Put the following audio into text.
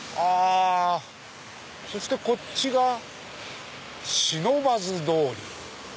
そしてこっちが「不忍通り」。